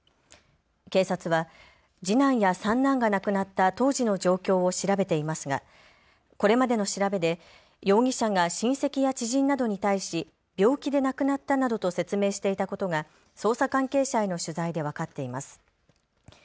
警察は次男や三男が亡くなった当時の状況を調べていますがこれまでの調べで容疑者が親戚や知人などに対し病気で亡くなったなどと説明していたことが捜査関係者への取材で分かっています。